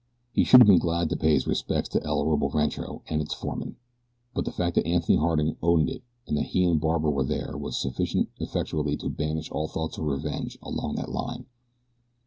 He should have been glad to pay his respects to El Orobo Rancho and its foreman; but the fact that Anthony Harding owned it and that he and Barbara were there was sufficient effectually to banish all thoughts of revenge along that line.